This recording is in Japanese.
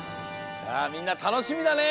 さあみんなたのしみだね。